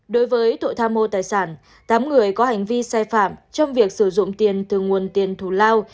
đối với tội tham mô tài sản tám người có hành vi sai phạm trong việc sử dụng tiền từ nguồn tiền thủ lao